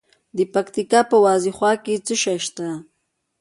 د پکتیکا په وازیخوا کې څه شی شته؟